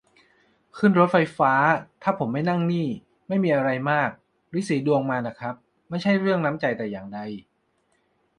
ขึ้นรถไฟฟ้า ถ้าผมไม่นั่งนี่ ไม่มีอะไรมาก ริดสีดวงมาน่ะครับ ไม่ใช่เรื่องน้ำใจแต่อย่างใด